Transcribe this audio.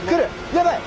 やばい。